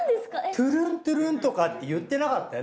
トゥルントゥルンとかって言ってなかったよ。